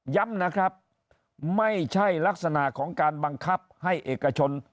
ย้ำนะครับไม่ใช่ลักษณะของการบังคับให้เอกชน